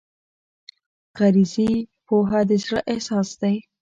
غریزي پوهه د زړه احساس دی.